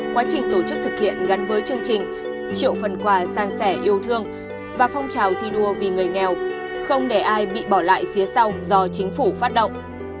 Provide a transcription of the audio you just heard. quá trình tổ chức thực hiện gắn với chương trình triệu phần quà sang sẻ yêu thương và phong trào thi đua vì người nghèo không để ai bị bỏ lại phía sau do chính phủ phát động